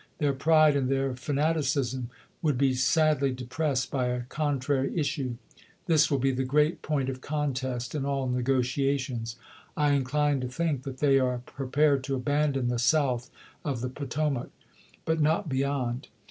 Their pride and their fanaticism would be sadly depressed by a contrary issue. This will be the great point of contest in all negotiations. ... I inchne to think that they are prepared to abandon the south of the Potomac. But not beyond.